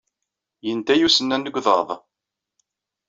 Yenta-iyi usennan deg uḍad.